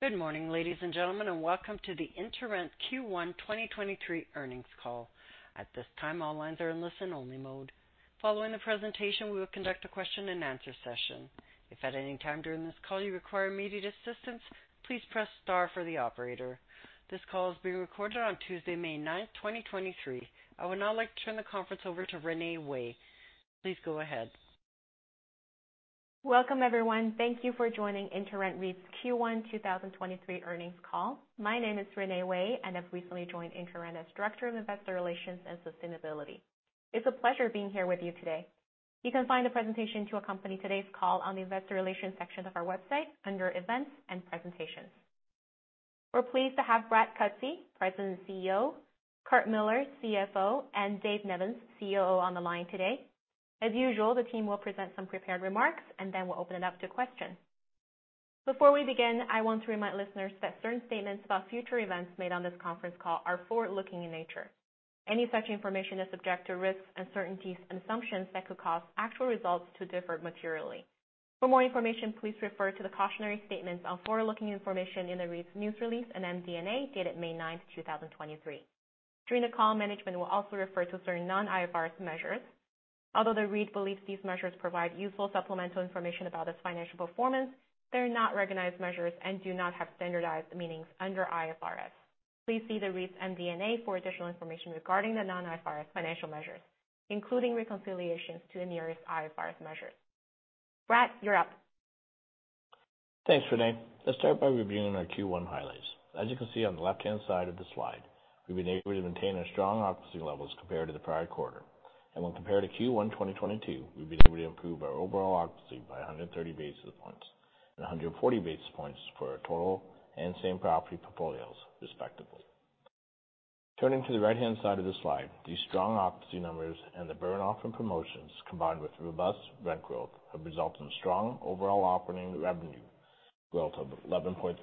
Good morning, ladies and gentlemen, and welcome to the InterRent Q1 2023 earnings call. At this time, all lines are in listen-only mode. Following the presentation, we will conduct a question-and-answer session. If at any time during this call you require immediate assistance, please press star for the operator. This call is being recorded on Tuesday, May 9th, 2023. I would now like to turn the conference over to Renee Wei. Please go ahead. Welcome, everyone. Thank you for joining InterRent REIT's Q1 2023 earnings call. My name is Renee Wei. I've recently joined InterRent as Director of Investor Relations and Sustainability. It's a pleasure being here with you today. You can find a presentation to accompany today's call on the investor relations section of our website under events and presentations. We're pleased to have Brad Cutsey, President and CEO, Curt Millar, CFO, and Dave Nevins, COO, on the line today. As usual, the team will present some prepared remarks. Then we'll open it up to questions. Before we begin, I want to remind listeners that certain statements about future events made on this conference call are forward-looking in nature. Any such information is subject to risks, uncertainties and assumptions that could cause actual results to differ materially. For more information, please refer to the cautionary statements on forward-looking information in the REIT's news release and MD&A dated May 9th, 2023. During the call, management will also refer to certain non-IFRS measures. Although the REIT believes these measures provide useful supplemental information about its financial performance, they are not recognized measures and do not have standardized meanings under IFRS. Please see the REIT's MD&A for additional information regarding the non-IFRS financial measures, including reconciliations to the nearest IFRS measures. Brad, you're up. Thanks, Renee. Let's start by reviewing our Q1 highlights. As you can see on the left-hand side of the slide, we've been able to maintain our strong occupancy levels compared to the prior quarter. When compared to Q1 2022, we've been able to improve our overall occupancy by 130 basis points, and 140 basis points for our total and same property portfolios, respectively. Turning to the right-hand side of the slide, these strong occupancy numbers and the burn-off in promotions, combined with robust rent growth, have resulted in strong overall operating revenue growth of 11.3%.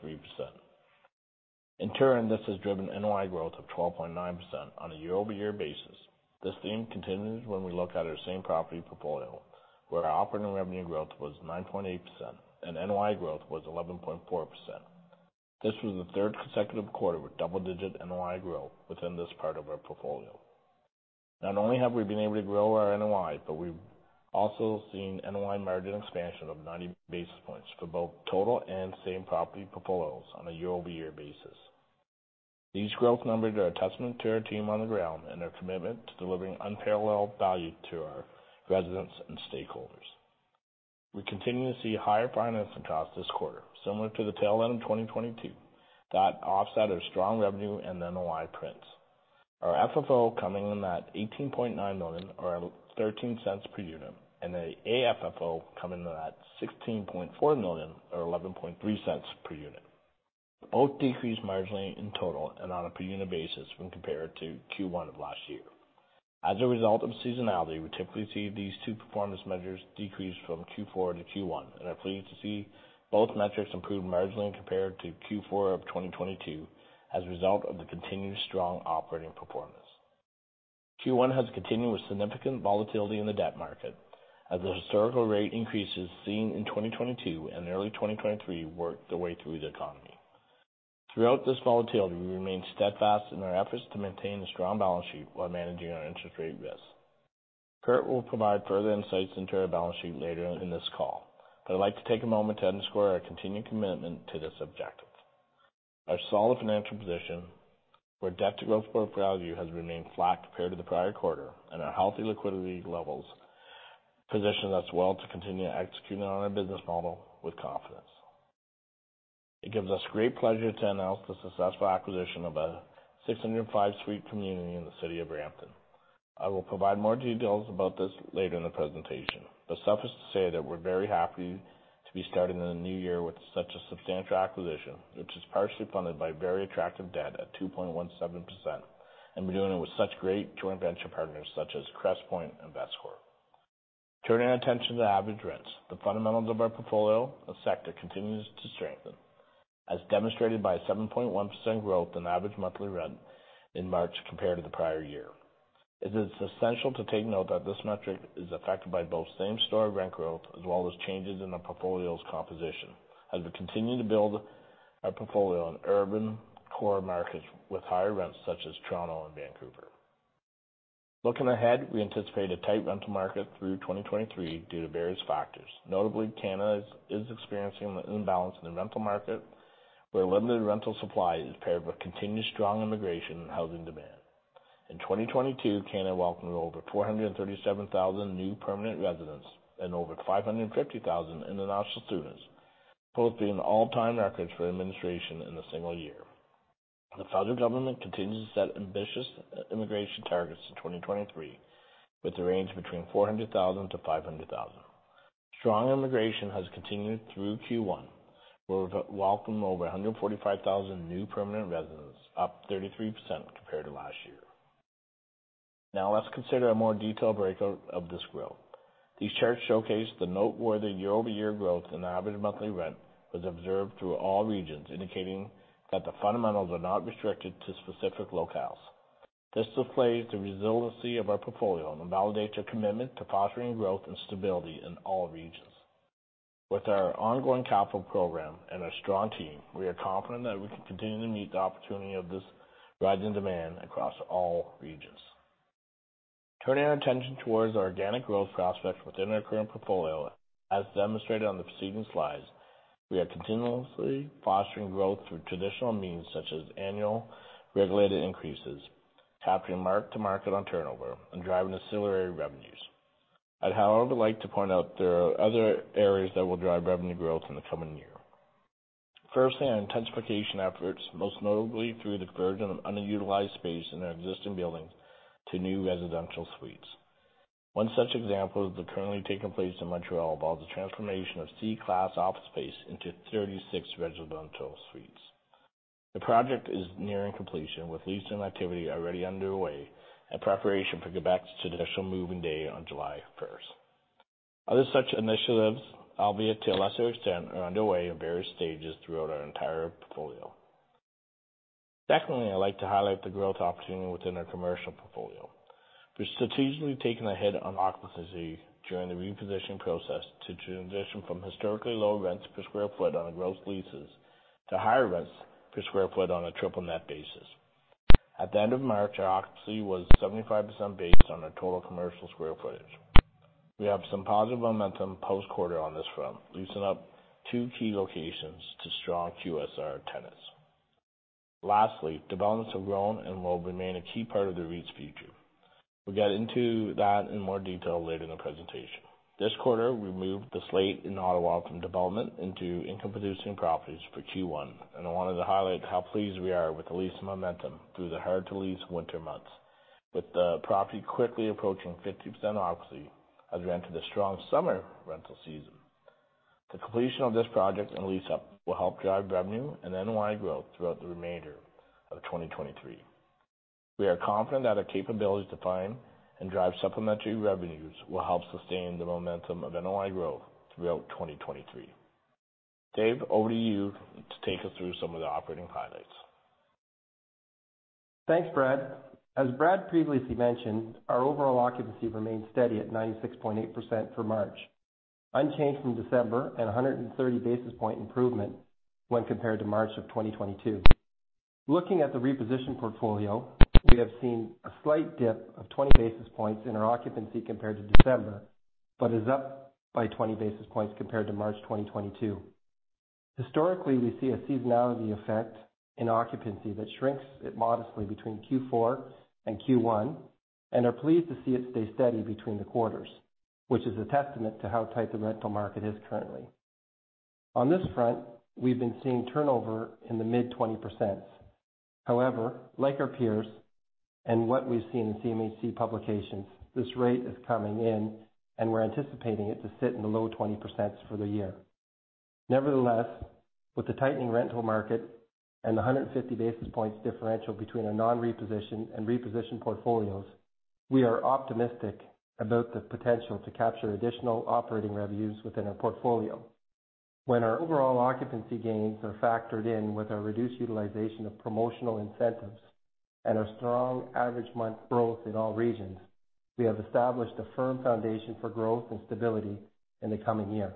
In turn, this has driven NOI growth of 12.9% on a year-over-year basis. This theme continues when we look at our same property portfolio, where our operating revenue growth was 9.8% and NOI growth was 11.4%. This was the third consecutive quarter with double-digit NOI growth within this part of our portfolio. Not only have we been able to grow our NOI, but we've also seen NOI margin expansion of 90 basis points for both total and same property portfolios on a year-over-year basis. These growth numbers are a testament to our team on the ground and their commitment to delivering unparalleled value to our residents and stakeholders. We continue to see higher financing costs this quarter, similar to the tail end of 2022, that offset our strong revenue and NOI prints. Our FFO coming in at 18.9 million or 0.13 per unit, and the AFFO coming in at 16.4 million or 0.113 per unit. Both decreased marginally in total and on a per-unit basis when compared to Q1 of last year. As a result of seasonality, we typically see these two performance measures decrease from Q4 to Q1, and are pleased to see both metrics improve marginally compared to Q4 of 2022 as a result of the continued strong operating performance. Q1 has continued with significant volatility in the debt market as the historical rate increases seen in 2022 and early 2023 work their way through the economy. Throughout this volatility, we remain steadfast in our efforts to maintain a strong balance sheet while managing our interest rate risk. Curt will provide further insights into our balance sheet later in this call, but I'd like to take a moment to underscore our continued commitment to this objective. Our solid financial position, where debt to gross portfolio value has remained flat compared to the prior quarter and our healthy liquidity levels, positions us well to continue executing on our business model with confidence. It gives us great pleasure to announce the successful acquisition of a 605 suite community in the city of Brampton. I will provide more details about this later in the presentation, but suffice to say that we're very happy to be starting the new year with such a substantial acquisition, which is partially funded by very attractive debt at 2.17%, and we're doing it with such great joint venture partners such as Crestpoint and Vestcor. Turning our attention to the average rents, the fundamentals of our portfolio of sector continues to strengthen, as demonstrated by 7.1% growth in average monthly rent in March compared to the prior year. It is essential to take note that this metric is affected by both same-store rent growth as well as changes in the portfolio's composition, as we continue to build our portfolio in urban core markets with higher rents, such as Toronto and Vancouver. Looking ahead, we anticipate a tight rental market through 2023 due to various factors. Notably, Canada is experiencing an imbalance in the rental market, where limited rental supply is paired with continued strong immigration and housing demand. In 2022, Canada welcomed over 437,000 new permanent residents and over 550,000 international students, both being all-time records for immigration in a single year. The federal government continues to set ambitious immigration targets in 2023, with a range between 400,000-500,000. Strong immigration has continued through Q1, where we've welcomed over 145,000 new permanent residents, up 33% compared to last year. Let's consider a more detailed breakout of this growth. These charts showcase the noteworthy year-over-year growth in the average monthly rent was observed through all regions, indicating that the fundamentals are not restricted to specific locales. This displays the resiliency of our portfolio and validates our commitment to fostering growth and stability in all regions. With our ongoing capital program and our strong team, we are confident that we can continue to meet the opportunity of this rising demand across all regions. Turning our attention towards our organic growth prospects within our current portfolio, as demonstrated on the preceding slides, we are continuously fostering growth through traditional means such as annual regulated increases, capturing mark to market on turnover, and driving ancillary revenues. I'd, however, like to point out there are other areas that will drive revenue growth in the coming year. Our intensification efforts, most notably through the conversion of underutilized space in our existing buildings to new residential suites. One such example is currently taking place in Montreal about the transformation of C class office space into 36 residential suites. The project is nearing completion, with leasing activity already underway in preparation for Quebec's traditional moving day on July 1st. Other such initiatives, albeit to a lesser extent, are underway in various stages throughout our entire portfolio. I'd like to highlight the growth opportunity within our commercial portfolio. We're strategically taking a hit on occupancy during the reposition process to transition from historically low rents per square foot on our gross leases to higher rents per square foot on a triple net basis. At the end of March, our occupancy was 75% based on our total commercial square footage. We have some positive momentum post-quarter on this front, leasing up two key locations to strong QSR tenants. Developments have grown and will remain a key part of the REIT's future. We'll get into that in more detail later in the presentation. This quarter, we moved The Slayte in Ottawa from development into income-producing properties for Q1. I wanted to highlight how pleased we are with the lease momentum through the hard-to-lease winter months. With the property quickly approaching 50% occupancy as we enter the strong summer rental season. The completion of this project and lease-up will help drive revenue and NOI growth throughout the remainder of 2023. We are confident that our capabilities to find and drive supplementary revenues will help sustain the momentum of NOI growth throughout 2023. Dave, over to you to take us through some of the operating highlights. Thanks, Brad. As Brad previously mentioned, our overall occupancy remained steady at 96.8% for March, unchanged from December and a 130 basis point improvement when compared to March of 2022. Looking at the reposition portfolio, we have seen a slight dip of 20 basis points in our occupancy compared to December, but is up by 20 basis points compared to March 2022. Historically, we see a seasonality effect in occupancy that shrinks it modestly between Q4 and Q1, are pleased to see it stay steady between the quarters, which is a testament to how tight the rental market is currently. On this front, we've been seeing turnover in the mid-20%. However, like our peers and what we've seen in CMHC publications, this rate is coming in, and we're anticipating it to sit in the low 20% for the year. Nevertheless, with the tightening rental market and 150 basis points differential between our non-reposition and reposition portfolios, we are optimistic about the potential to capture additional operating revenues within our portfolio. When our overall occupancy gains are factored in with our reduced utilization of promotional incentives and our strong average month growth in all regions, we have established a firm foundation for growth and stability in the coming year.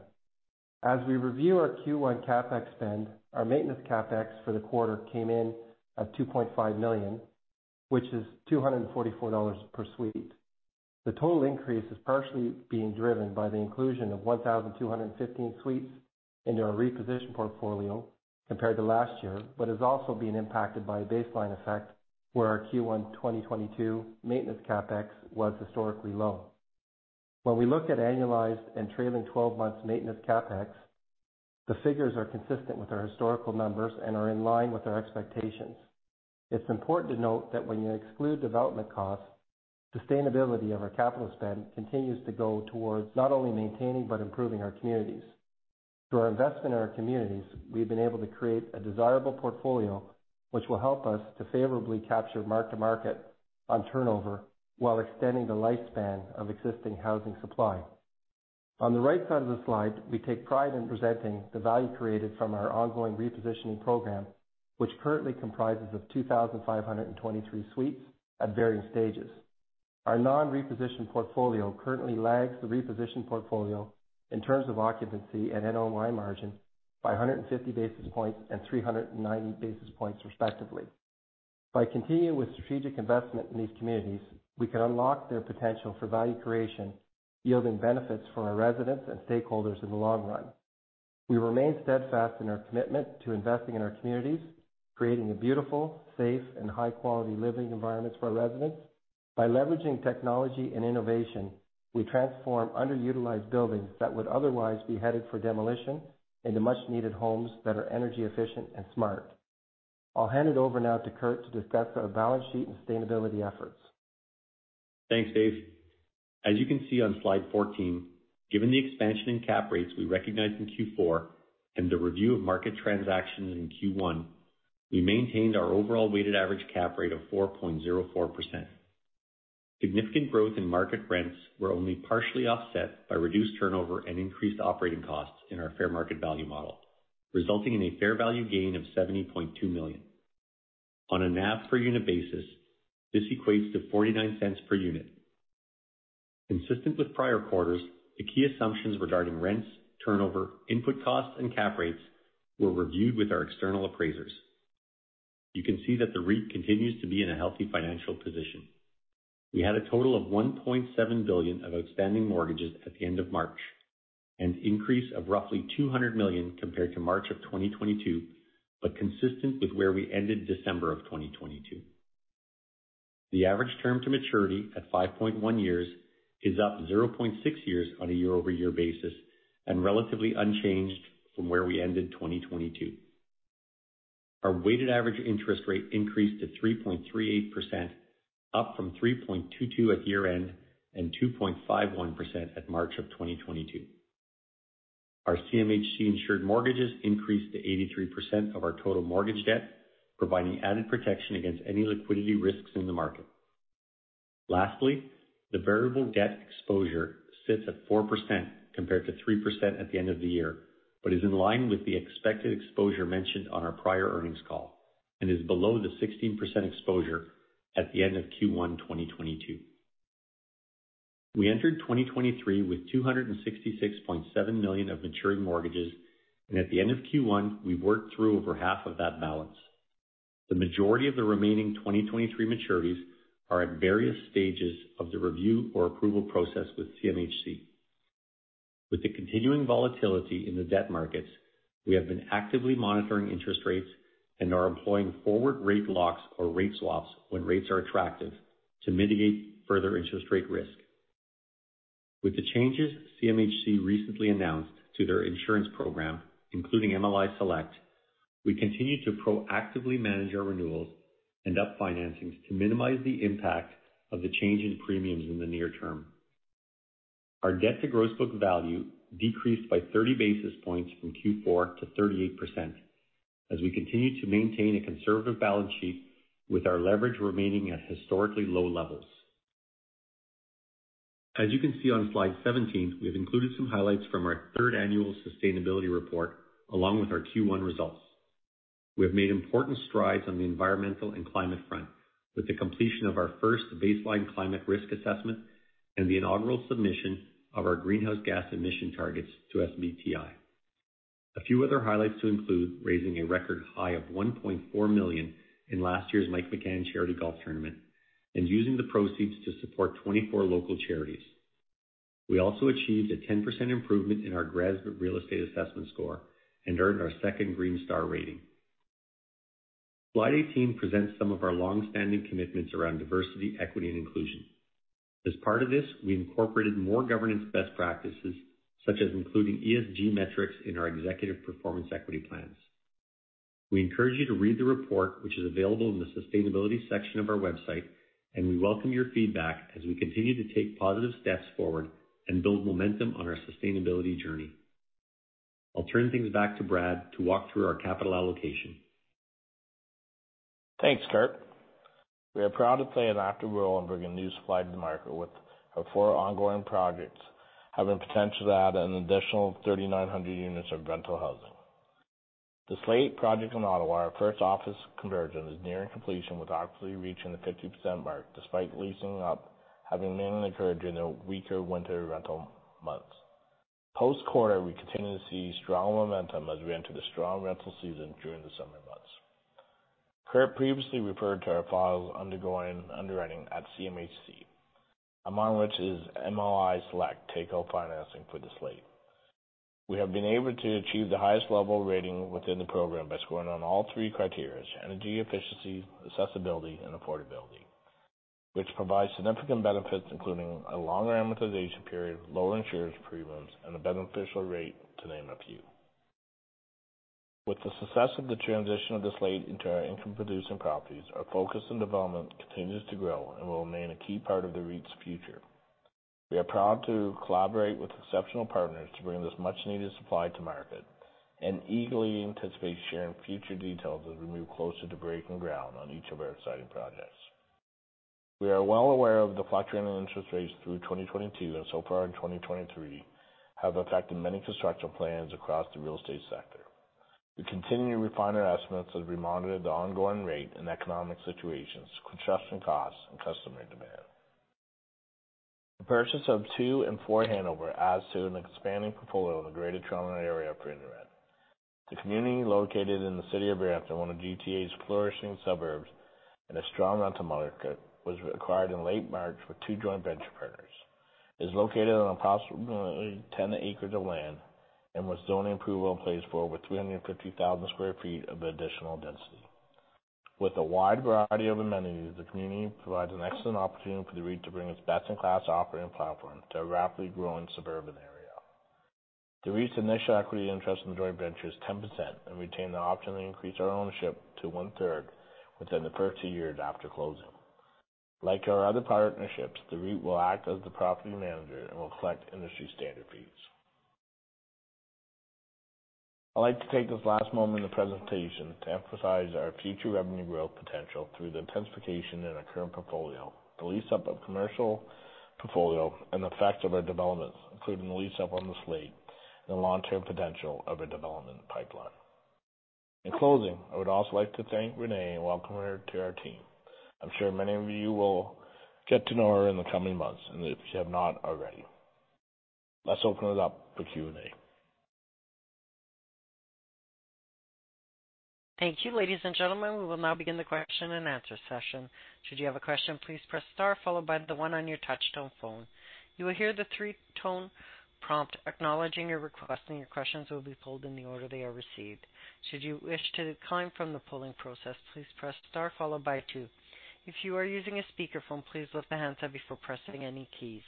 As we review our Q1 CapEx spend, our maintenance CapEx for the quarter came in at 2.5 million, which is 244 dollars per suite. The total increase is partially being driven by the inclusion of 1,215 suites into our reposition portfolio compared to last year, but is also being impacted by a baseline effect where our Q1 2022 maintenance CapEx was historically low. When we look at annualized and trailing 12 months maintenance CapEx, the figures are consistent with our historical numbers and are in line with our expectations. It's important to note that when you exclude development costs, sustainability of our capital spend continues to go towards not only maintaining but improving our communities. Through our investment in our communities, we've been able to create a desirable portfolio, which will help us to favorably capture mark-to-market on turnover while extending the lifespan of existing housing supply. On the right side of the slide, we take pride in presenting the value created from our ongoing repositioning program, which currently comprises of 2,523 suites at various stages. Our non-reposition portfolio currently lags the reposition portfolio in terms of occupancy and NOI margin by 150 basis points and 390 basis points, respectively. By continuing with strategic investment in these communities, we can unlock their potential for value creation, yielding benefits for our residents and stakeholders in the long run. We remain steadfast in our commitment to investing in our communities, creating a beautiful, safe, and high-quality living environment for our residents. By leveraging technology and innovation, we transform underutilized buildings that would otherwise be headed for demolition into much needed homes that are energy efficient and smart. I'll hand it over now to Curt to discuss our balance sheet and sustainability efforts. Thanks, Dave. As you can see on slide 14, given the expansion in cap rates we recognized in Q4 and the review of market transactions in Q1, we maintained our overall weighted average cap rate of 4.04%. Significant growth in market rents were only partially offset by reduced turnover and increased operating costs in our fair market value model, resulting in a fair value gain of 70.2 million. On a NAV per unit basis, this equates to 0.49 per unit. Consistent with prior quarters, the key assumptions regarding rents, turnover, input costs, and cap rates were reviewed with our external appraisers. You can see that the REIT continues to be in a healthy financial position. We had a total of 1.7 billion of outstanding mortgages at the end of March, an increase of roughly 200 million compared to March of 2022, but consistent with where we ended December of 2022. The average term to maturity at 5.1 years is up 0.6 years on a year-over-year basis and relatively unchanged from where we ended 2022. Our weighted average interest rate increased to 3.38%, up from 3.22% at year-end, and 2.51% at March of 2022. Our CMHC insured mortgages increased to 83% of our total mortgage debt, providing added protection against any liquidity risks in the market. Lastly, the variable debt exposure sits at 4% compared to 3% at the end of the year, but is in line with the expected exposure mentioned on our prior earnings call, and is below the 16% exposure at the end of Q1 2022. We entered 2023 with $266.7 million of maturing mortgages, and at the end of Q1, we worked through over half of that balance. The majority of the remaining 2023 maturities are at various stages of the review or approval process with CMHC. With the continuing volatility in the debt markets, we have been actively monitoring interest rates and are employing forward rate locks or rate swaps when rates are attractive to mitigate further interest rate risk. With the changes CMHC recently announced to their insurance program, including MLI Select, we continue to proactively manage our renewals and up financings to minimize the impact of the change in premiums in the near term. Our debt to gross book value decreased by 30 basis points from Q4 to 38% as we continue to maintain a conservative balance sheet with our leverage remaining at historically low levels. As you can see on slide 17, we've included some highlights from our third annual sustainability report along with our Q1 results. We have made important strides on the environmental and climate front with the completion of our first baseline climate risk assessment and the inaugural submission of our greenhouse gas emission targets to SBTi. A few other highlights to include raising a record high of 1.4 million in last year's Mike McCann Charity Golf Tournament and using the proceeds to support 24 local charities. We also achieved a 10% improvement in our GRESB real estate assessment score and earned our second Green Star rating. Slide 18 presents some of our long-standing commitments around diversity, equity, and inclusion. As part of this, we incorporated more governance best practices, such as including ESG metrics in our executive performance equity plans. We encourage you to read the report, which is available in the sustainability section of our website. We welcome your feedback as we continue to take positive steps forward and build momentum on our sustainability journey. I'll turn things back to Brad to walk through our capital allocation. Thanks, Curt. We are proud to play an active role in bringing new supply to the market with our four ongoing projects having potential to add an additional 3,900 units of rental housing. The Slayte project in Ottawa, our first office conversion, is nearing completion with occupancy reaching the 50% mark despite leasing up having mainly occurred during the weaker winter rental months. Post-quarter, we continue to see strong momentum as we enter the strong rental season during the summer months. Curt previously referred to our files undergoing underwriting at CMHC, among which is MLI Select take out financing for The Slayte. We have been able to achieve the highest level rating within the program by scoring on all three criteria, energy efficiency, accessibility, and affordability, which provides significant benefits, including a longer amortization period, lower insurance premiums, and a beneficial rate to name a few. With the success of the transition of The Slayte into our income-producing properties, our focus on development continues to grow and will remain a key part of the REIT's future. We are proud to collaborate with exceptional partners to bring this much-needed supply to market and eagerly anticipate sharing future details as we move closer to breaking ground on each of our exciting projects. We are well aware of the fluctuating interest rates through 2022 and so far in 2023 have affected many construction plans across the real estate sector. We continue to refine our estimates as we monitor the ongoing rate and economic situations, construction costs, and customer demand. The purchase of two and four Hanover adds to an expanding portfolio in the Greater Toronto area footprint. The community located in the city of Brampton, one of GTA's flourishing suburbs and a strong rental market, was acquired in late March with two joint venture partners, is located on approximately 10 acres of land and with zoning approval in place for over 350,000 sq ft of additional density. With a wide variety of amenities, the community provides an excellent opportunity for the REIT to bring its best-in-class operating platform to a rapidly growing suburban area. The REIT's initial equity interest in the joint venture is 10% and retain the option to increase our ownership to 1/3 within the first year after closing. Like our other partnerships, the REIT will act as the property manager and will collect industry standard fees. I'd like to take this last moment of presentation to emphasize our future revenue growth potential through the intensification in our current portfolio, the lease-up of commercial portfolio, and the effect of our developments, including the lease-up on The Slayte and the long-term potential of our development pipeline. In closing, I would also like to thank Renee and welcome her to our team. I'm sure many of you will get to know her in the coming months, and if you have not already. Let's open it up for Q&A. Thank you. Ladies and gentlemen, we will now begin the question-and-answer session. Should you have a question, please press star followed by the one on your touch-tone phone. You will hear the three-tone prompt acknowledging your request, and your questions will be pulled in the order they are received. Should you wish to decline from the polling process, please press star followed by two. If you are using a speakerphone, please lift the handset before pressing any keys.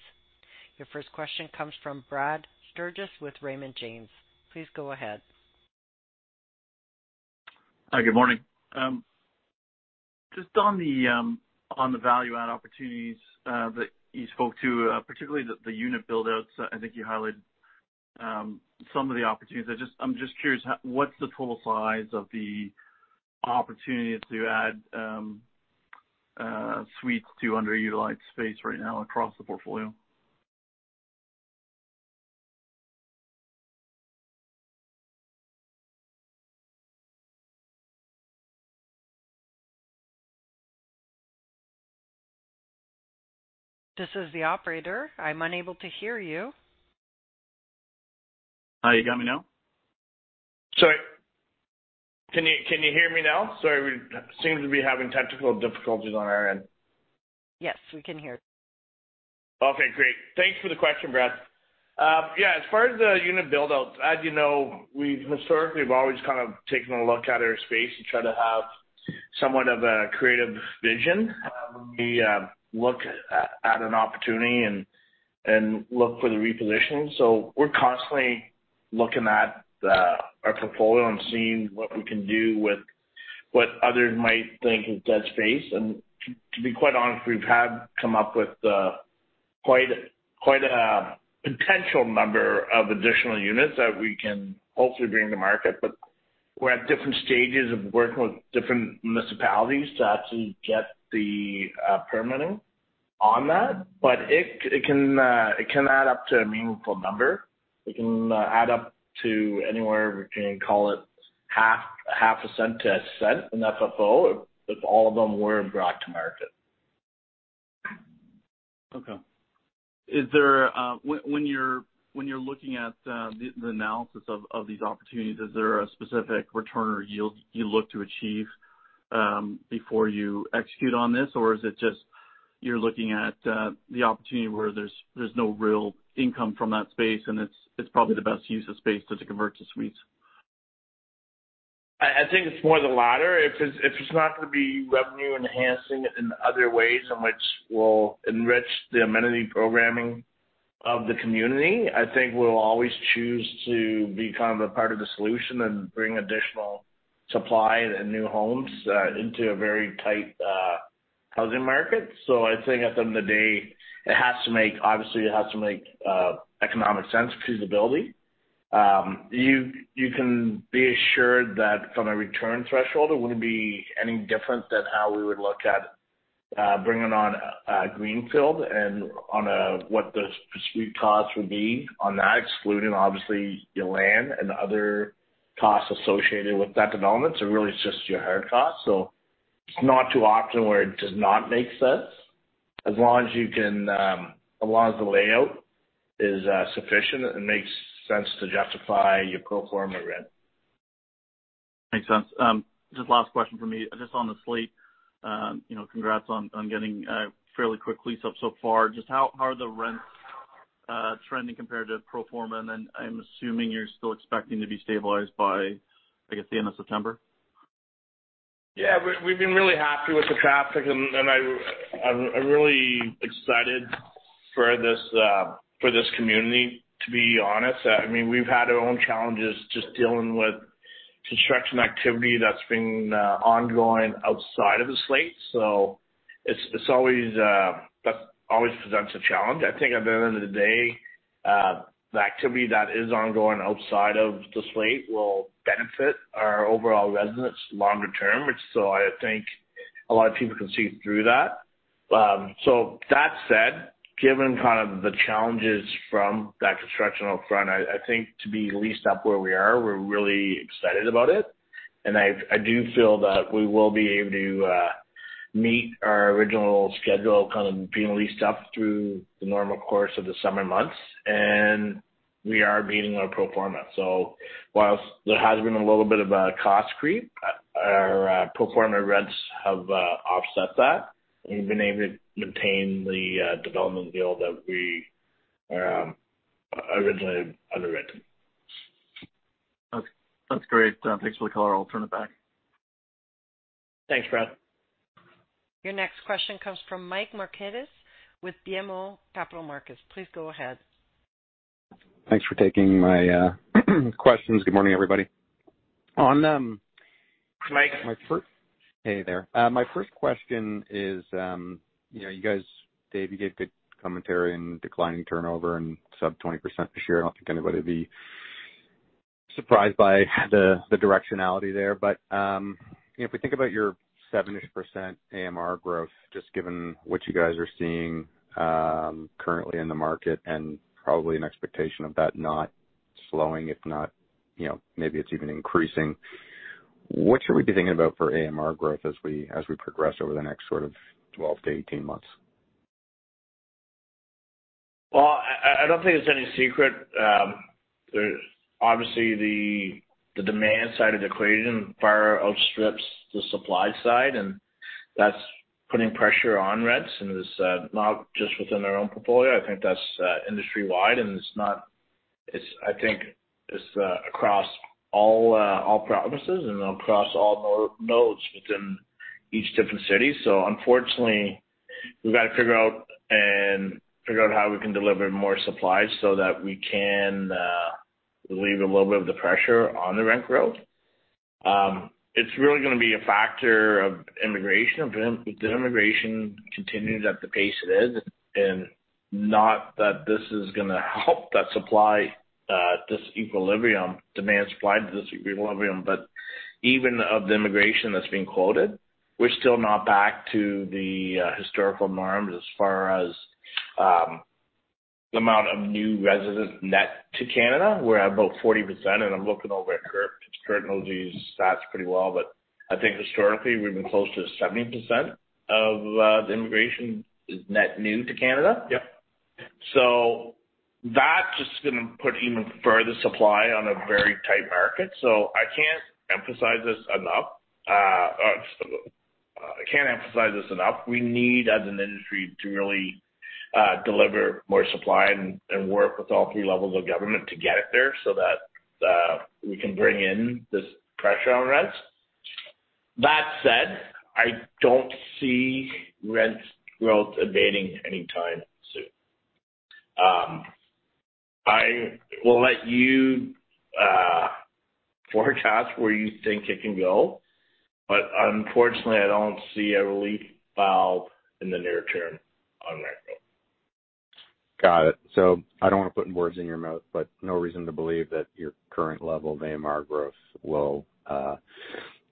Your first question comes from Brad Sturges with Raymond James. Please go ahead. Hi, good morning. Just on the on the value-add opportunities that you spoke to, particularly the unit build-outs, I think you highlighted some of the opportunities. I'm just curious, what's the total size of the opportunity to add suites to underutilized space right now across the portfolio? This is the operator. I'm unable to hear you. You got me now? Sorry. Can you hear me now? Sorry. We seem to be having technical difficulties on our end. Yes, we can hear. Okay, great. Thanks for the question, Brad. Yeah, as far as the unit build-out, as you know, we've historically have always kind of taken a look at our space to try to have somewhat of a creative vision when we look at an opportunity and look for the reposition. We're constantly looking at our portfolio and seeing what we can do with what others might think is dead space. To be quite honest, we've had come up with quite a potential number of additional units that we can hopefully bring to market. We're at different stages of working with different municipalities to actually get the permitting on that. It can add up to a meaningful number. It can add up to anywhere between, call it half a cent to a cent in FFO if all of them were brought to market. Okay. Is there, when you're looking at the analysis of these opportunities, is there a specific return or yield you look to achieve before you execute on this? Or is it just you're looking at the opportunity where there's no real income from that space and it's probably the best use of space just to convert to suites? I think it's more the latter. If it's not gonna be revenue enhancing in other ways in which will enrich the amenity programming of the community, I think we'll always choose to become a part of the solution and bring additional supply and new homes into a very tight housing market. So I think at the end of the day, obviously, it has to make economic sense, feasibility. You can be assured that from a return threshold, it wouldn't be any different than how we would look at bringing on a greenfield and on what the suite costs would be on that, excluding obviously your land and other costs associated with that development. So really, it's just your hard costs. So it's not too often where it does not make sense. As long as you can, as long as the layout is sufficient, it makes sense to justify your pro forma rent. Makes sense. Just last question from me. Just on The Slayte, you know, congrats on getting a fairly quick lease up so far. Just how are the rents trending compared to pro forma? I'm assuming you're still expecting to be stabilized by, I guess, the end of September. Yeah. We've been really happy with the traffic, and I'm really excited for this community, to be honest. I mean, we've had our own challenges just dealing with construction activity that's been ongoing outside of The Slayte. That always presents a challenge. I think at the end of the day, the activity that is ongoing outside of The Slayte will benefit our overall residents longer term. I think a lot of people can see through that. That said, given kind of the challenges from that construction upfront, I think to be leased up where we are, we're really excited about it. I do feel that we will be able to meet our original schedule of kind of being leased up through the normal course of the summer months, and we are meeting our pro forma. Whilst there has been a little bit of a cost creep, our pro forma rents have offset that. We've been able to maintain the development deal that we originally underwritten. Okay. That's great. Thanks for the call. I'll turn it back. Thanks, Brad. Your next question comes from Mike Markidis with BMO Capital Markets. Please go ahead. Thanks for taking my questions. Good morning, everybody. Hey, Mike. Hey there. My first question is, you know, Dave, you gave good commentary in declining turnover and sub 20% this year. I don't think anybody would be surprised by the directionality there. You know, if we think about your 7-ish% AMR growth, just given what you guys are seeing, currently in the market, and probably an expectation of that not slowing, if not, you know, maybe it's even increasing, what should we be thinking about for AMR growth as we progress over the next sort of 12 to 18 months? Well, I don't think it's any secret. There's obviously the demand side of the equation far outstrips the supply side, and that's putting pressure on rents, and it's not just within our own portfolio. I think that's industry-wide, and it's, I think, across all provinces and across all nodes within each different city. Unfortunately, we've got to figure out how we can deliver more supply so that we can relieve a little bit of the pressure on the rent growth. It's really gonna be a factor of immigration. If the immigration continues at the pace it is, and not that this is gonna help that supply disequilibrium, demand supply disequilibrium, but even of the immigration that's being quoted, we're still not back to the historical norms as far as the amount of new residents net to Canada. We're at about 40%, and I'm looking over at Curt. Curt knows these stats pretty well, but I think historically we've been close to 70% of the immigration is net new to Canada. Yep. That's just gonna put even further supply on a very tight market. I can't emphasize this enough. I can't emphasize this enough. We need, as an industry, to really deliver more supply and work with all three levels of government to get it there so that we can bring in this pressure on rents. That said, I don't see rent growth abating anytime soon. I will let you forecast where you think it can go, but unfortunately, I don't see a relief valve in the near term on rental. Got it. I don't want to put words in your mouth, but no reason to believe that your current level of AMR growth will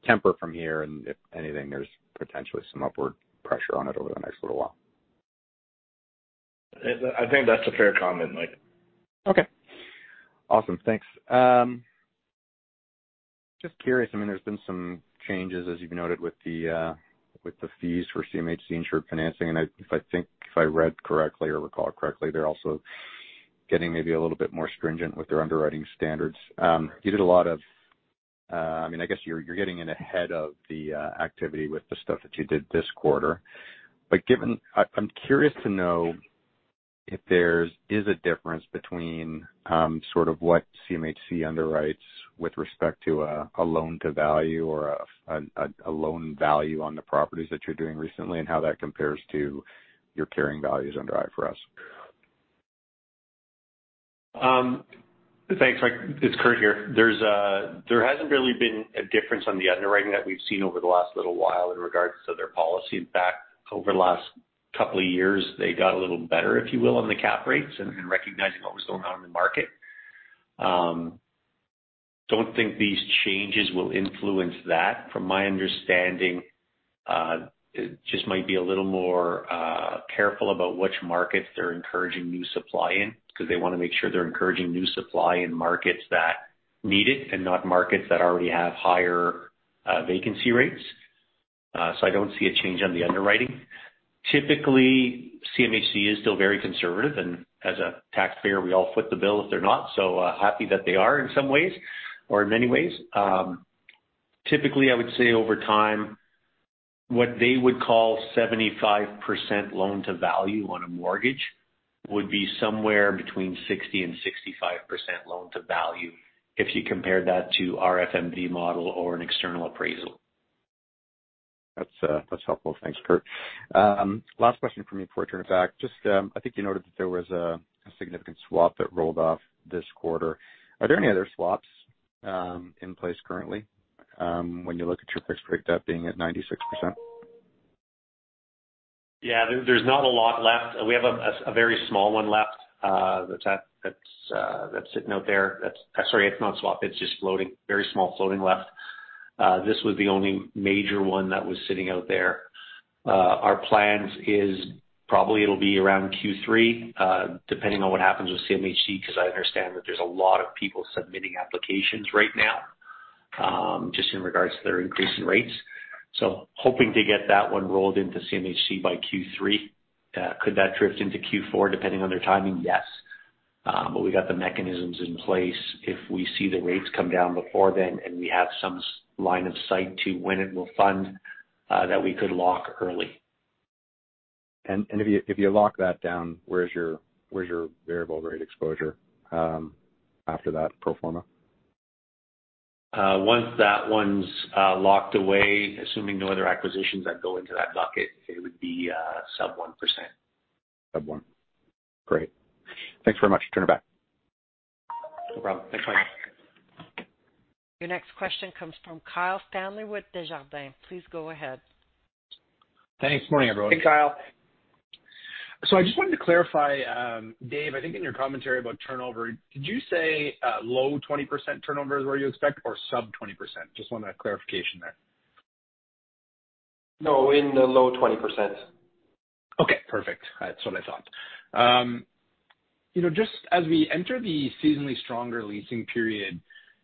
temper from here, and if anything, there's potentially some upward pressure on it over the next little while. I think that's a fair comment, Mike. Okay. Awesome. Thanks. Just curious, I mean, there's been some changes, as you've noted, with the fees for CMHC insured financing. If I think if I read correctly or recall correctly, they're also getting maybe a little bit more stringent with their underwriting standards. You did a lot of, I mean, I guess you're getting in ahead of the activity with the stuff that you did this quarter. I'm curious to know if there's is a difference between sort of what CMHC underwrites with respect to a loan-to-value or a loan value on the properties that you're doing recently and how that compares to your carrying values under IFRS. Thanks, Mike. It's Curt here. There hasn't really been a difference on the underwriting that we've seen over the last little while in regards to their policy. In fact, over the last couple of years, they got a little better, if you will, on the cap rates and recognizing what was going on in the market. Don't think these changes will influence that. From my understanding, it just might be a little more careful about which markets they're encouraging new supply in, because they wanna make sure they're encouraging new supply in markets that need it and not markets that already have higher vacancy rates. I don't see a change on the underwriting. Typically, CMHC is still very conservative, and as a taxpayer, we all foot the bill if they're not. Happy that they are in some ways or in many ways. Typically, I would say over time, what they would call 75% loan-to-value on a mortgage would be somewhere between 60%-65% loan-to-value if you compare that to our FMD model or an external appraisal. That's helpful. Thanks, Curt. Last question from me before I turn it back. Just, I think you noted that there was a significant swap that rolled off this quarter. Are there any other swaps in place currently, when you look at your fixed rate debt being at 96%? There's not a lot left. We have a very small one left that's sitting out there. Sorry, it's not a swap, it's just floating. Very small floating left. This was the only major one that was sitting out there. Our plan is probably it'll be around Q3, depending on what happens with CMHC, because I understand that there's a lot of people submitting applications right now, just in regards to their increase in rates. Hoping to get that one rolled into CMHC by Q3. Could that drift into Q4 depending on their timing? Yes. We got the mechanisms in place if we see the rates come down before then, and we have some line of sight to when it will fund, that we could lock early. If you lock that down, where is your variable rate exposure after that pro forma? Once that one's locked away, assuming no other acquisitions that go into that bucket, it would be sub 1%. Sub one. Great. Thanks very much. Turn it back. No problem. Thanks, Mike. Your next question comes from Kyle Stanley with Desjardins. Please go ahead. Thanks. Morning, everyone. Hey, Kyle. I just wanted to clarify. Dave, I think in your commentary about turnover, did you say low 20% turnover is where you expect or sub 20%? Just wanted a clarification there. No, in the low 20%. Okay, perfect. That's what I thought. You know, just as we enter the seasonally stronger leasing period,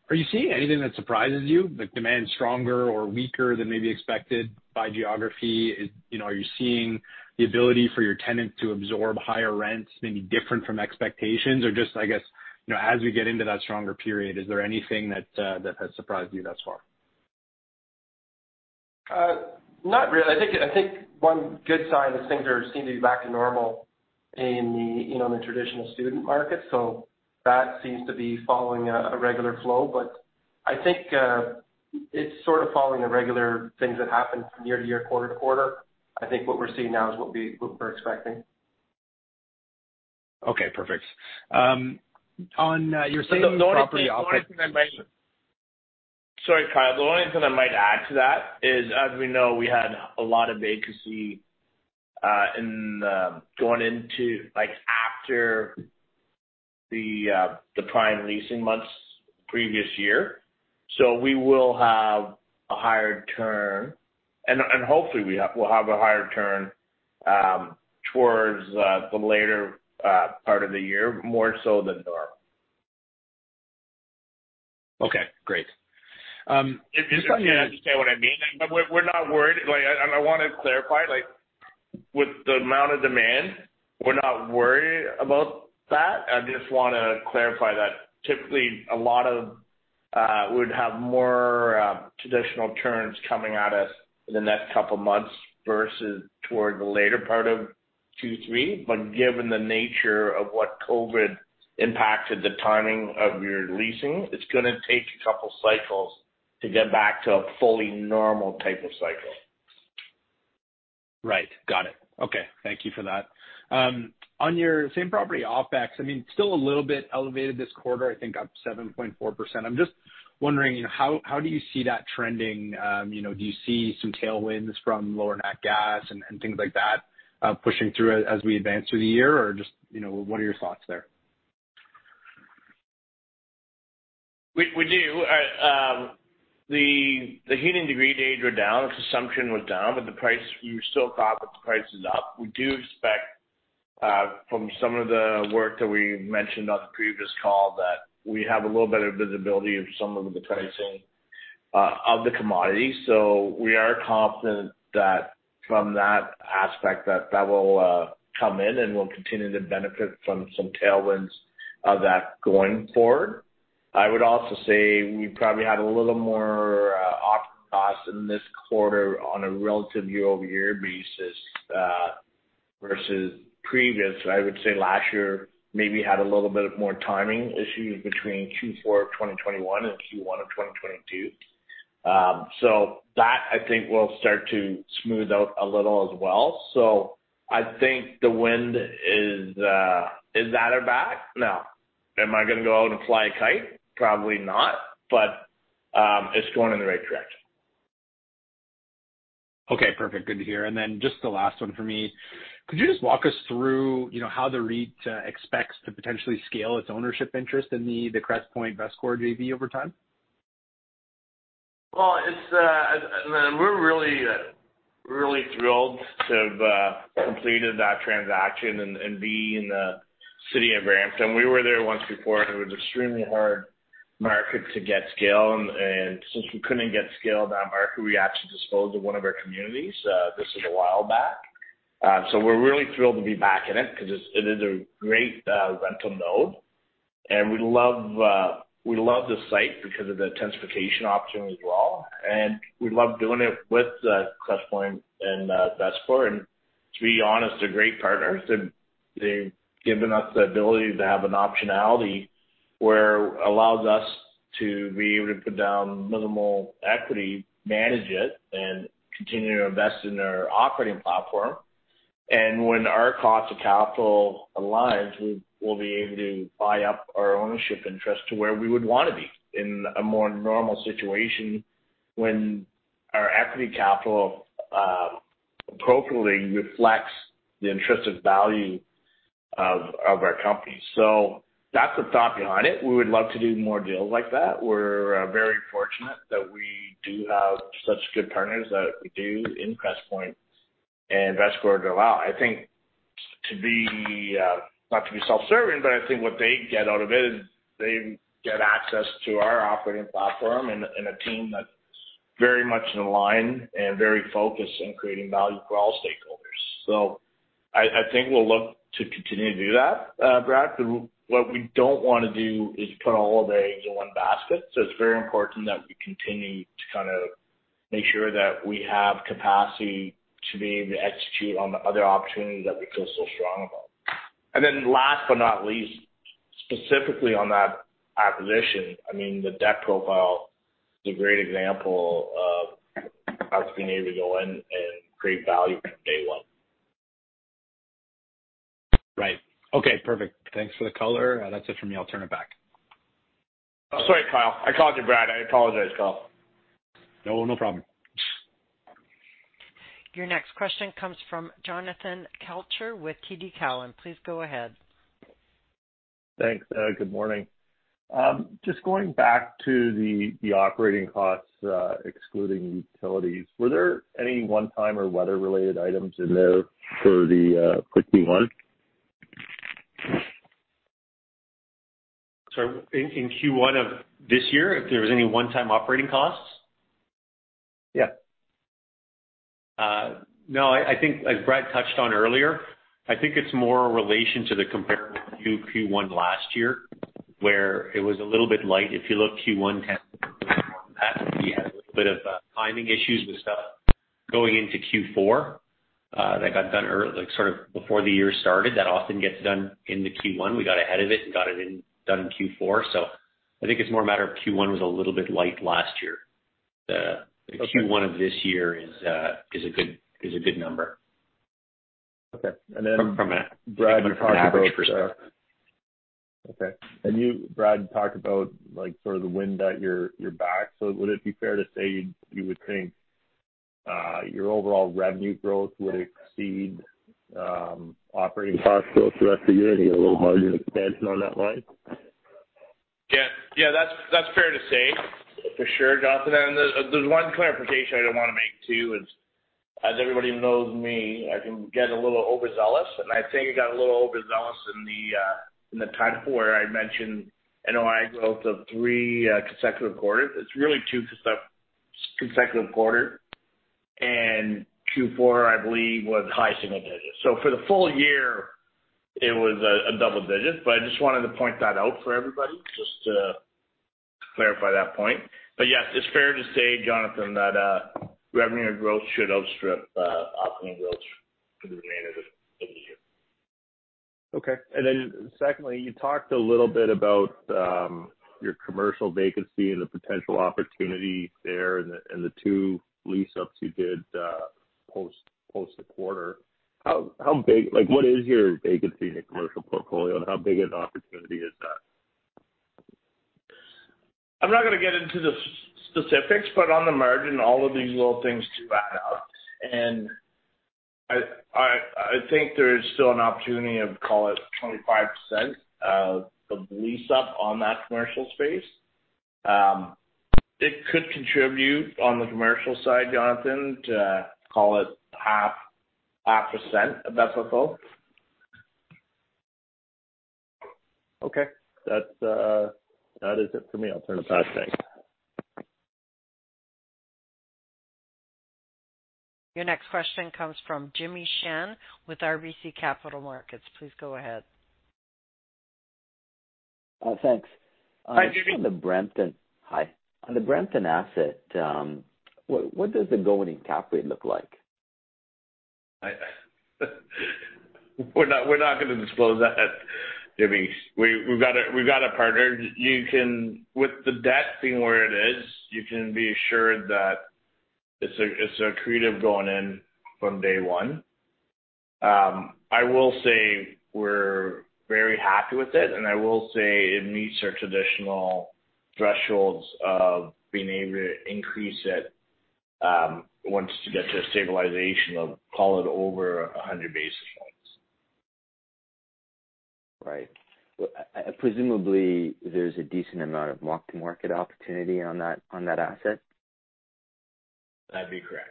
are you seeing anything that surprises you, like demand stronger or weaker than maybe expected by geography? You know, are you seeing the ability for your tenants to absorb higher rents maybe different from expectations? Just, I guess, you know, as we get into that stronger period, is there anything that has surprised you thus far? Not really. I think, I think one good sign is things are seeming to be back to normal in the, you know, the traditional student market, so that seems to be following a regular flow. I think it's sort of following the regular things that happen from year to year, quarter to quarter. I think what we're seeing now is what we're expecting. Okay, perfect. The only thing I might... Sorry, Kyle. The only thing I might add to that is, as we know, we had a lot of vacancy in going into, like, after the prime leasing months previous year. We will have a higher turn, and hopefully we'll have a higher turn towards the later part of the year, more so than normal. Okay, great. If you understand what I mean. We're not worried. Like, I wanna clarify, like, with the amount of demand, we're not worried about that. I just wanna clarify that. Typically, a lot of would have more traditional turns coming at us in the next couple of months versus toward the later part of 2023. Given the nature of what COVID impacted the timing of your leasing, it's gonna take a couple cycles to get back to a fully normal type of cycle. Right. Got it. Okay. Thank you for that. On your same-property OpEx, I mean, still a little bit elevated this quarter, I think up 7.4%. I'm just wondering, how do you see that trending? You know, do you see some tailwinds from lower nat gas and things like that, pushing through as we advance through the year? Or just, you know, what are your thoughts there? We do. The heating degree days were down. Consumption was down, but the price, we still thought that the price is up. We do expect from some of the work that we mentioned on the previous call, that we have a little better visibility of some of the pricing of the commodity. We are confident that from that aspect that that will come in, and we'll continue to benefit from some tailwinds of that going forward. I would also say we probably had a little more op costs in this quarter on a relative year-over-year basis versus previous. I would say last year maybe had a little bit of more timing issues between Q4 of 2021 and Q1 of 2022. That, I think, will start to smooth out a little as well. I think the wind is out of back? No. Am I gonna go out and fly a kite? Probably not. It's going in the right direction. Okay. Perfect. Good to hear. Then just the last one for me. Could you just walk us through, you know, how the REIT expects to potentially scale its ownership interest in the Crestpoint-Vestcor JV over time? Well, I mean, we're really, really thrilled to have completed that transaction and be in the city of Brampton. We were there once before, and it was extremely hard market to get scale. Since we couldn't get scale in that market, we had to dispose of one of our communities. This is a while back. We're really thrilled to be back in it 'cause it is a great rental node. We love, we love the site because of the intensification option as well. We love doing it with Crestpoint and Vestcor. To be honest, they're great partners. They've given us the ability to have an optionality where allows us to be able to put down minimal equity, manage it, and continue to invest in our operating platform. When our cost of capital aligns, we will be able to buy up our ownership interest to where we would wanna be in a more normal situation when our equity capital, appropriately reflects the intrinsic value of our company. That's the thought behind it. We would love to do more deals like that. We're very fortunate that we do have such good partners that we do in Crestpoint and Vestcor as well. I think to be, not to be self-serving, but I think what they get out of it is they get access to our operating platform and a, and a team that's very much in line and very focused in creating value for all stakeholders. I think we'll look to continue to do that, Brad. What we don't wanna do is put all our eggs in one basket. It's very important that we continue to kind of make sure that we have capacity to be able to execute on the other opportunities that we feel so strong about. Last but not least, specifically on that acquisition, I mean, the debt profile is a great example of how we can be able to go in and create value from day one. Right. Okay, perfect. Thanks for the color. That's it for me. I'll turn it back. Sorry, Kyle. I called you Brad. I apologize, Kyle. No, no problem. Your next question comes from Jonathan Kelcher with TD Cowen. Please go ahead. Thanks. Good morning. Just going back to the operating costs, excluding utilities, were there any one-time or weather-related items in there for Q1? In Q1 of this year, if there was any one-time operating costs? Yeah. No. I think as Brad touched on earlier, I think it's more a relation to the comparison to Q1 last year, where it was a little bit light. If you look Q1, we had a little bit of timing issues with stuff going into Q4, that got done before the year started. That often gets done into Q1. We got ahead of it and got it in done in Q4. I think it's more a matter of Q1 was a little bit light last year. Okay. The Q1 of this year is a good number. Okay. From an average perspective. You, Brad, talked about, like, sort of the wind at your back. Would it be fair to say you would think, your overall revenue growth would exceed operating costs through the rest of the year and get a little margin expansion on that line? Yeah. Yeah, that's fair to say, for sure, Jonathan. There's one clarification I do wanna make too is, as everybody knows me, I can get a little overzealous, and I think I got a little overzealous in the time for, where I mentioned NOI growth of three consecutive quarters. It's really two consecutive quarter. Q4, I believe, was high single digits. For the full year, it was a double digit. I just wanted to point that out for everybody, just to clarify that point. Yes, it's fair to say, Jonathan, that revenue growth should outstrip operating growth for the remainder of the year. Okay. Secondly, you talked a little bit about your commercial vacancy and the potential opportunity there and the two lease-ups you did, post the quarter. How big... Like, what is your vacancy in the commercial portfolio, and how big an opportunity is that? I'm not gonna get into the specifics, but on the margin, all of these little things do add up. I think there is still an opportunity of, call it, 25% of the lease-up on that commercial space. It could contribute on the commercial side, Jonathan, to call it half percent of FFO. Okay. That's, that is it for me. I'll turn it back. Thanks. Your next question comes from Jimmy Shan with RBC Capital Markets. Please go ahead. Thanks. Hi, Jimmy. Hi. On the Brampton asset, what does the going-in cap rate look like? We're not, we're not gonna disclose that, Jimmy. We've got a partner. With the debt being where it is, you can be assured that it's a, it's accretive going in from day one. I will say we're very happy with it, and I will say it meets our traditional thresholds of being able to increase it, once you get to a stabilization of, call it, over 100 basis points. Presumably there's a decent amount of mark-to-market opportunity on that, on that asset. That'd be correct.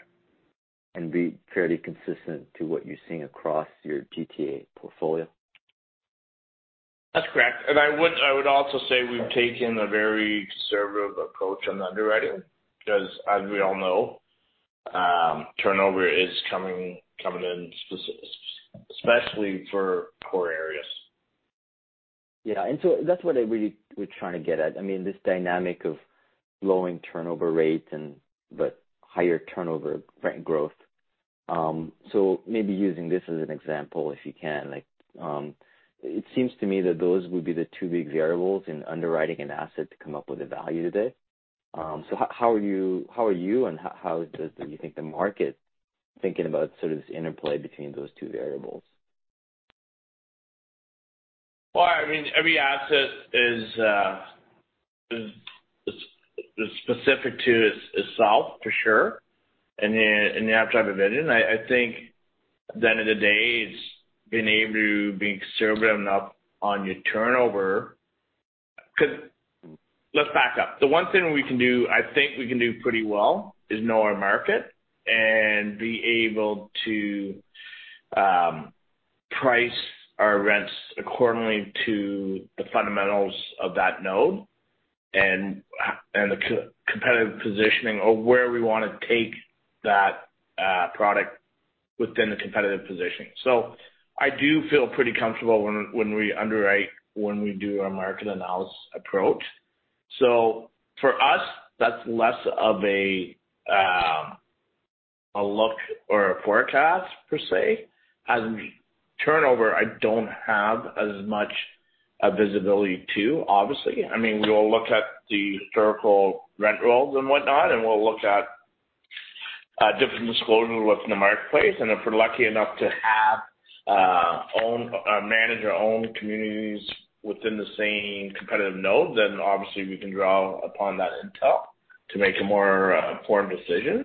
Be fairly consistent to what you're seeing across your GTA portfolio. That's correct. I would also say we've taken a very conservative approach on underwriting because as we all know, turnover is coming especially for core areas. Yeah. That's what I really was trying to get at. I mean, this dynamic of lowering turnover rates and but higher turnover rent growth. Maybe using this as an example, if you can, like, it seems to me that those would be the two big variables in underwriting an asset to come up with a value today. How are you and how is the... do you think the market thinking about sort of this interplay between those two variables? I mean, every asset is specific to itself, for sure, in the absence of vision. I think at the end of the day, it's being able to be conservative enough on your turnover. 'Cause let's back up. The one thing we can do, I think we can do pretty well is know our market and be able to price our rents accordingly to the fundamentals of that node and the competitive positioning or where we wanna take that product within the competitive positioning. I do feel pretty comfortable when we underwrite, when we do our market analysis approach. For us, that's less of a look or a forecast per se. As in turnover, I don't have as much a visibility to, obviously. I mean, we'll look at the historical rent rolls and whatnot, and we'll look at different disclosure what's in the marketplace. If we're lucky enough to have manage our own communities within the same competitive node, then obviously we can draw upon that intel to make a more informed decision.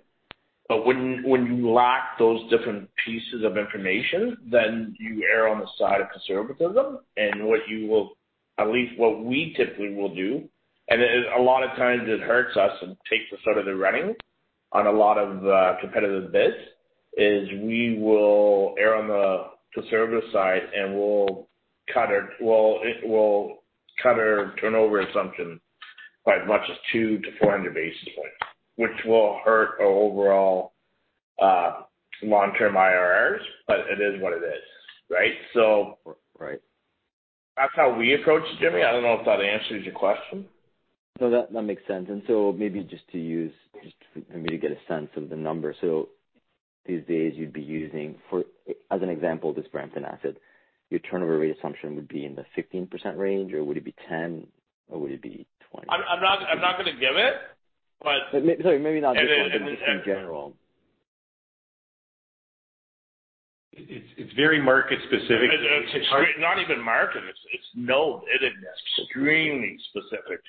When you lack those different pieces of information, then you err on the side of conservatism. At least what we typically will do, and a lot of times it hurts us and takes us out of the running on a lot of competitive bids, is we will err on the conservative side, and we'll cut our turnover assumption by as much as 200-400 basis points, which will hurt our overall long-term IRRs, it is what it is, right? So- Right. That's how we approach it, Jimmy. I don't know if that answers your question. No, that makes sense. Maybe just for me to get a sense of the numbers. These days you'd be using, as an example, this Brampton asset, your turnover rate assumption would be in the 15% range, or would it be 10%, or would it be 20%? I'm not gonna give it. Maybe- It is- Just in general. It's very market-specific. It's not even market, it's node. It is extremely specific.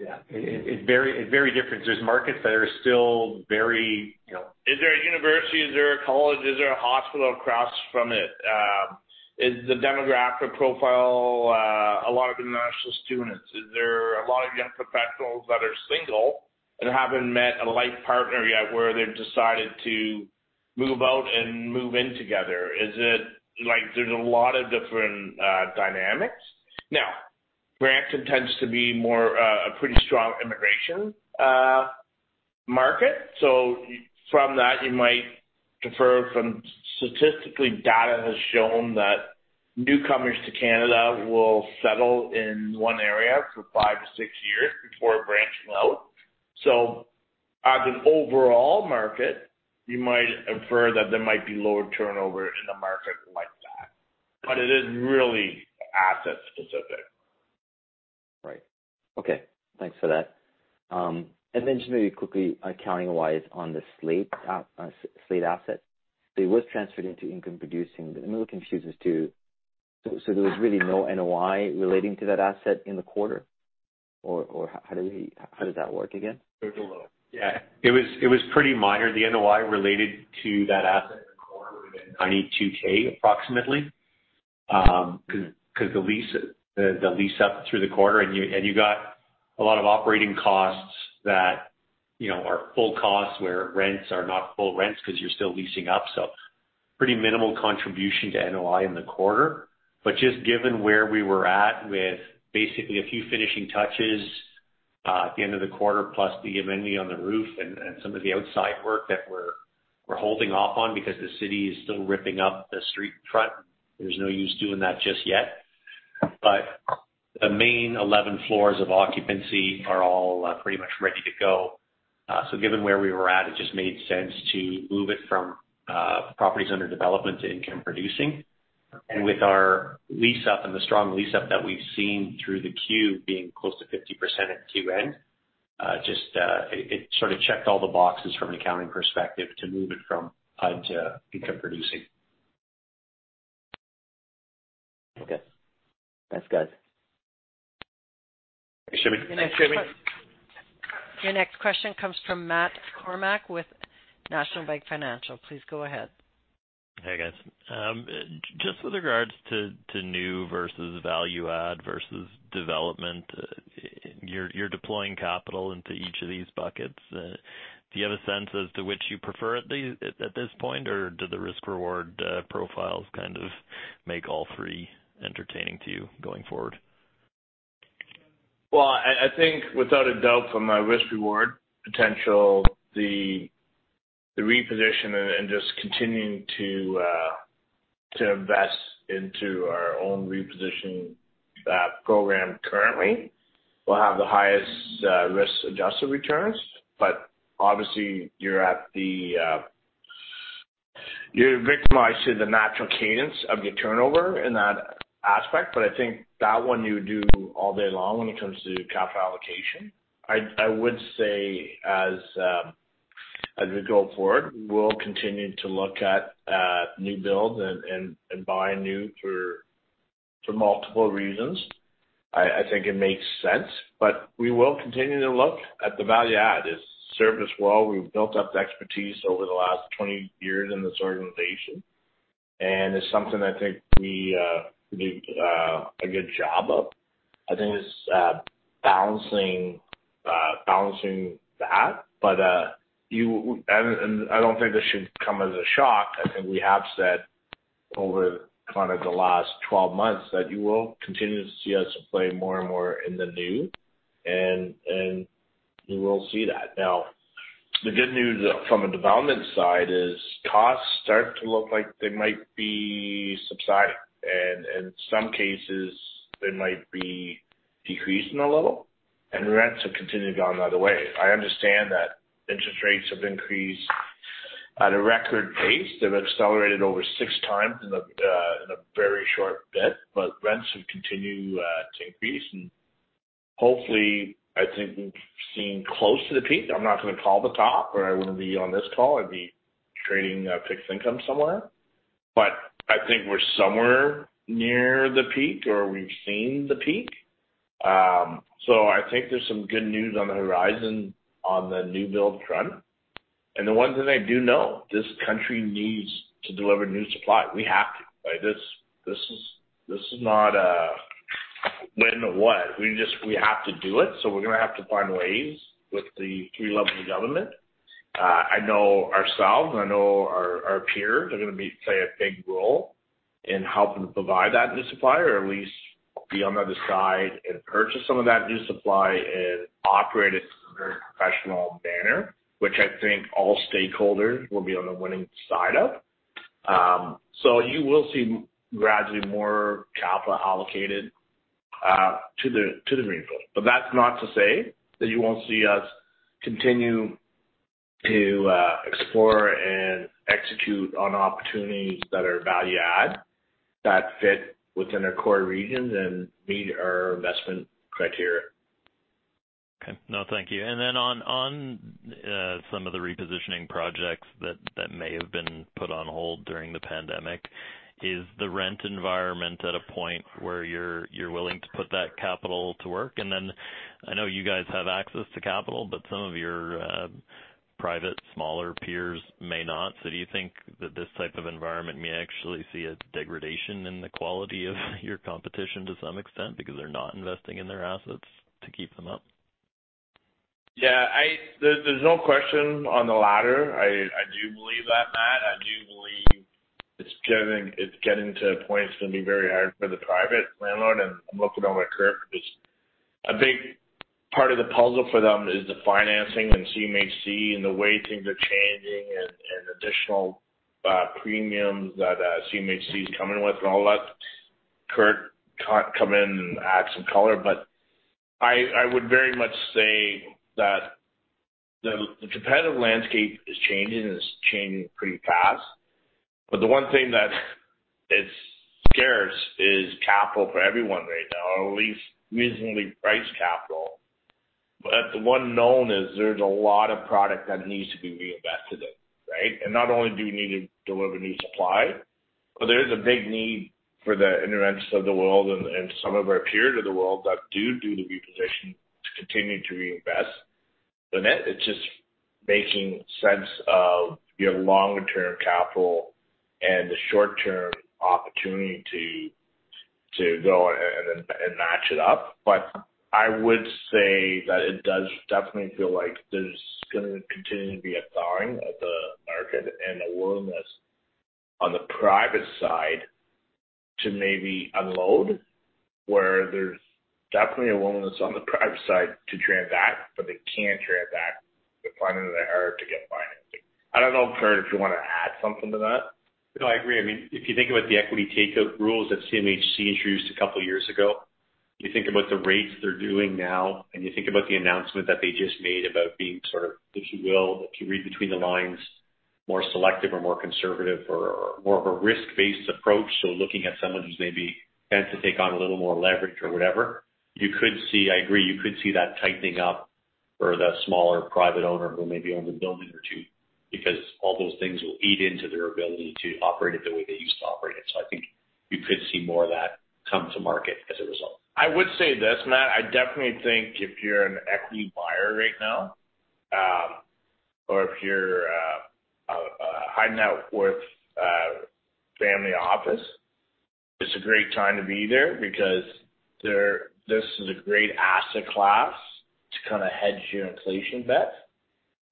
Yeah. It's very, it's very different. There's markets that are still very, you know- Is there a university, is there a college, is there a hospital across from it? Is the demographic profile a lot of international students? Is there a lot of young professionals that are single and haven't met a life partner yet where they've decided to move out and move in together? Like, there's a lot of different dynamics. Brampton tends to be more a pretty strong immigration market. From that, you might defer. Statistically, data has shown that newcomers to Canada will settle in one area for five to six years before branching out. As an overall market, you might infer that there might be lower turnover in a market like that. It is really asset specific. Right. Okay. Thanks for that. Just maybe quickly, accounting-wise, on The Slayte asset, it was transferred into income producing, but I'm a little confused as to... There was really no NOI relating to that asset in the quarter? How does that work again? There's a little. It was, it was pretty minor. The NOI related to that asset in the quarter would have been 92,000 approximately, 'cause the lease up through the quarter, and you got a lot of operating costs that, you know, are full costs where rents are not full rents because you're still leasing up. Pretty minimal contribution to NOI in the quarter. Just given where we were at with basically a few finishing touches at the end of the quarter, plus the amenity on the roof and some of the outside work that we're holding off on because the city is still ripping up the street front, there's no use doing that just yet. The main 11 floors of occupancy are all pretty much ready to go. Given where we were at, it just made sense to move it from properties under development to income producing. With our lease-up and the strong lease-up that we've seen through the Q being close to 50% at Q end, it sort of checked all the boxes from an accounting perspective to move it from [HUD] to income producing. Okay. That's good. Thanks, Jimmy. Thanks, Jimmy. Your next question comes from Matt Kornack with National Bank Financial. Please go ahead. Hey, guys. just with regards to new versus value add versus development, you're deploying capital into each of these buckets. Do you have a sense as to which you prefer at this point, or do the risk-reward profiles kind of make all three entertaining to you going forward? Well, I think without a doubt from a risk-reward potential, the reposition and just continuing to invest into our own reposition program currently will have the highest risk-adjusted returns. Obviously, you're at the, you're victimized to the natural cadence of your turnover in that aspect. I think that one you do all day long when it comes to capital allocation. I would say as we go forward, we'll continue to look at new builds and, and buy new for multiple reasons. I think it makes sense, but we will continue to look at the value add. It's served us well. We've built up the expertise over the last 20 years in this organization, and it's something I think we do a good job of. I think it's balancing that. I don't think this should come as a shock. I think we have said over kind of the last 12 months that you will continue to see us play more and more in the new, and you will see that. Now, the good news from a development side is costs start to look like they might be subsiding, and in some cases, they might be decreasing a little, and rents have continued going the other way. I understand that interest rates have increased at a record pace. They've accelerated over 6x in a very short bit, but rents have continued to increase. Hopefully, I think we've seen close to the peak. I'm not gonna call the top, or I wouldn't be on this call, I'd be trading fixed income somewhere. I think we're somewhere near the peak or we've seen the peak. I think there's some good news on the horizon on the new build front. The one thing I do know, this country needs to deliver new supply. We have to, right? This is not a when or what, we have to do it. We're gonna have to find ways with the three levels of government. I know ourselves and I know our peers are gonna play a big role in helping to provide that new supply or at least be on the other side and purchase some of that new supply and operate it in a very professional manner, which I think all stakeholders will be on the winning side of. You will see gradually more capital allocated to the greenfield. That's not to say that you won't see us continue to explore and execute on opportunities that are value add, that fit within our core regions and meet our investment criteria. Okay. No, thank you. on some of the repositioning projects that may have been put on hold during the pandemic, is the rent environment at a point where you're willing to put that capital to work? I know you guys have access to capital, but some of your private smaller peers may not. Do you think that this type of environment may actually see a degradation in the quality of your competition to some extent because they're not investing in their assets to keep them up? Yeah, there's no question on the latter. I do believe that, Matt. I do believe it's getting to a point it's gonna be very hard for the private landlord, and I'm looking over at Curt 'cause a big part of the puzzle for them is the financing and CMHC and the way things are changing and additional premiums that CMHC is coming with and all that. Curt, come in and add some color. I would very much say that the competitive landscape is changing, and it's changing pretty fast. The one thing that is scarce is capital for everyone right now, or at least reasonably priced capital. The one known is there's a lot of product that needs to be reinvested in, right? Not only do we need to deliver new supply, but there is a big need for the InterRent of the world and some of our peers of the world that do the reposition to continue to reinvest. It's just making sense of your longer term capital and the short term opportunity to go and match it up. I would say that it does definitely feel like there's gonna continue to be a thawing of the market and a willingness on the private side to maybe unload, where there's definitely a willingness on the private side to transact, but they can't transact. They're finding it hard to get financing. I don't know, Curt, if you wanna add something to that. I agree. I mean, if you think about the equity takeout rules that CMHC introduced a couple years ago, you think about the rates they're doing now, you think about the announcement that they just made about being sort of, if you will, if you read between the lines, more selective or more conservative or more of a risk-based approach. Looking at someone who's maybe had to take on a little more leverage or whatever, you could see. I agree, you could see that tightening up for the smaller private owner who maybe owns a building or two because all those things will eat into their ability to operate it the way they used to operate it. I think we could see more of that come to market as a result. I would say this, Matt, I definitely think if you're an equity buyer right now, or if you're a high net worth family office, it's a great time to be there because this is a great asset class to kind of hedge your inflation bet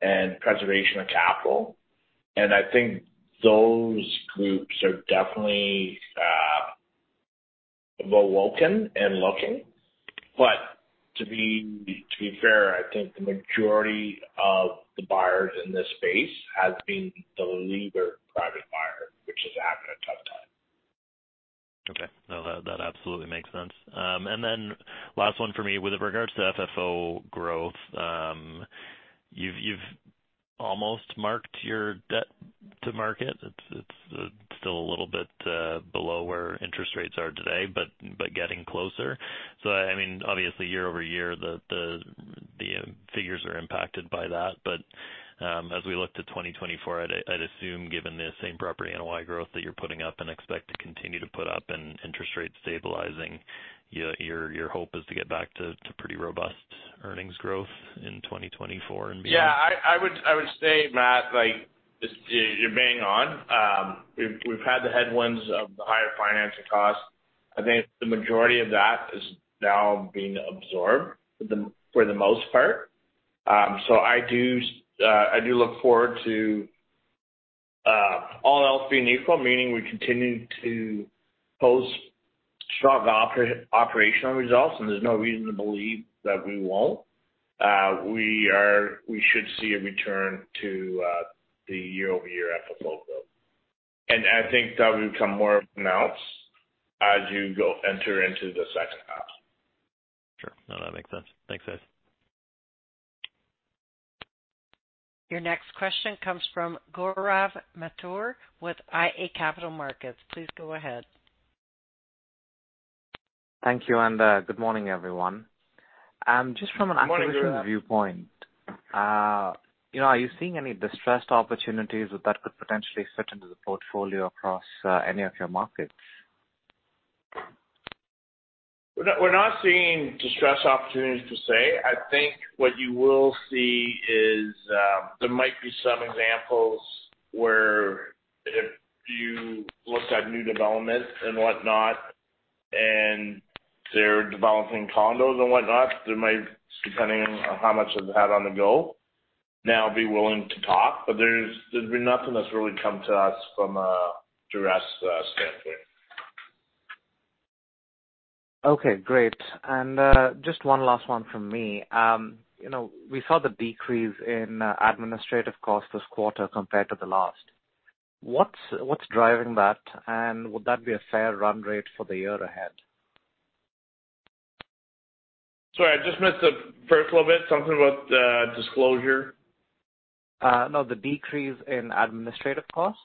and preservation of capital. I think those groups are definitely awoken and looking. To be fair, I think the majority of the buyers in this space has been the levered private buyer, which is having a tough time. Okay. No, that absolutely makes sense. Last one for me. With regards to FFO growth, you've almost marked your debt to market. It's still a little bit below where interest rates are today, but getting closer. I mean, obviously year-over-year, the figures are impacted by that. As we look to 2024, I'd assume, given the same property NOI growth that you're putting up and expect to continue to put up and interest rates stabilizing, your hope is to get back to pretty robust earnings growth in 2024 and beyond. Yeah. I would say, Matt, like, you're bang on. We've had the headwinds of the higher financing costs. I think the majority of that is now being absorbed for the most part. I do look forward to all else being equal, meaning we continue to post strong operational results, and there's no reason to believe that we won't. We should see a return to the year-over-year FFO growth. I think that will become more pronounced as you enter into the second half. Sure. No, that makes sense. Thanks, guys. Your next question comes from Gaurav Mathur with iA Capital Markets. Please go ahead. Thank you, good morning, everyone. Good morning, Gaurav. Just from an acquisition viewpoint, you know, are you seeing any distressed opportunities that could potentially fit into the portfolio across any of your markets? We're not seeing distressed opportunities per se. I think what you will see is, there might be some examples where if you looked at new developments and whatnot, and they're developing condos and whatnot, they might, depending on how much they've had on the go, now be willing to talk. There's been nothing that's really come to us from a duress standpoint. Okay, great. Just one last one from me. you know, we saw the decrease in administrative costs this quarter compared to the last. What's driving that? Would that be a fair run rate for the year ahead? Sorry, I just missed the first little bit. Something about disclosure. No, the decrease in administrative costs,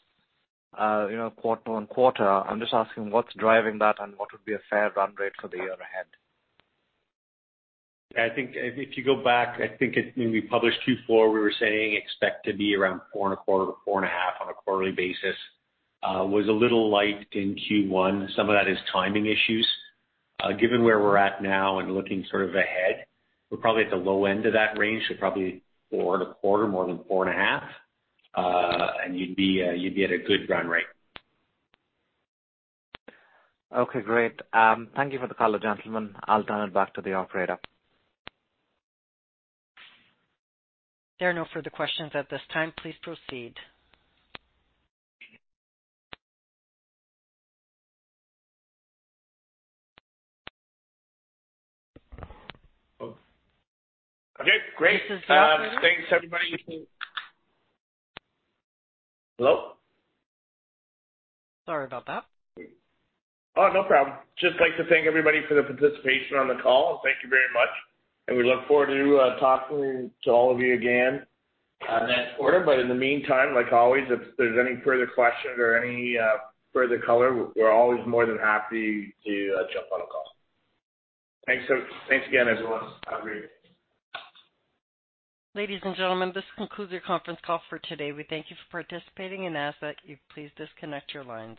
you know, quarter-on-quarter, I'm just asking what's driving that and what would be a fair run rate for the year ahead? I think if you go back, I think when we published Q4, we were saying expect to be around 4.25%-4.5% on a quarterly basis. was a little light in Q1. Some of that is timing issues. Given where we're at now and looking sort of ahead, we're probably at the low end of that range, so probably four and a quarter, more than four and a half. You'd be at a good run rate. Great. Thank you for the call, gentlemen. I'll turn it back to the operator. There are no further questions at this time. Please proceed. Okay, great. This is- Thanks everybody. Hello? Sorry about that. Oh, no problem. Just like to thank everybody for the participation on the call. Thank you very much. We look forward to talking to all of you again next quarter. In the meantime, like always, if there's any further questions or any further color, we're always more than happy to jump on a call. Thanks, thanks again, everyone. Have a great day. Ladies and gentlemen, this concludes your conference call for today. We thank you for participating and ask that you please disconnect your lines.